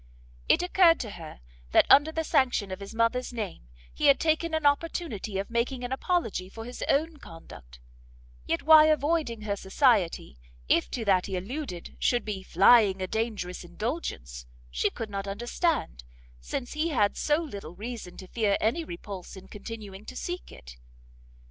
It occurred to her that under the sanction of his mother's name, he had taken an opportunity of making an apology for his own conduct; yet why avoiding her society, if to that he alluded, should be flying a dangerous indulgence, she could not understand, since he had so little reason to fear any repulse in continuing to seek it.